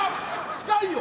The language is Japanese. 近いよ！